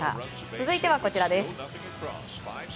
続いてはこちらです。